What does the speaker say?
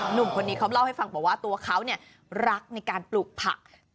หนุ่มคนนี้เขาเล่าให้ฟังบอกว่าตัวเขารักในการปลูกผัก